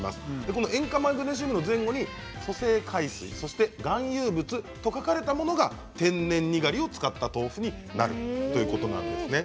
この塩化マグネシウムの前後に粗製海水、含有物と書かれたものが天然にがりを使った豆腐になるということなんです。